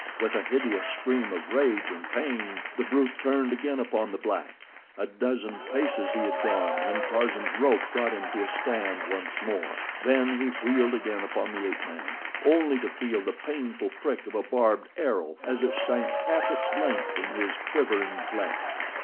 With a hideous scream of rage and pain the brute turned again upon the black. A dozen paces he had gone when Tarzan's rope brought him to a stand once more—then he wheeled again upon the ape man, only to feel the painful prick of a barbed arrow as it sank half its length in his quivering flesh.